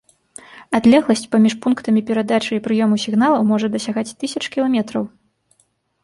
Адлегласць паміж пунктамі перадачы і прыёму сігналаў можа дасягаць тысяч кіламетраў.